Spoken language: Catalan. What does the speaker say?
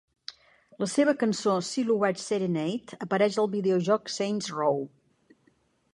La seva cançó "Silhouette Serenade" apareix al videojoc "Saints Row".